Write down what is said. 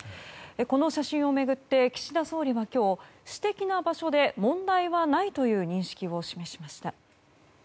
この写真を巡って岸田総理は今日私的な場所で問題はないという認識を示しました。